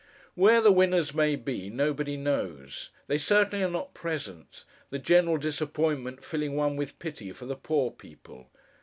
Where the winners may be, nobody knows. They certainly are not present; the general disappointment filling one with pity for the poor people.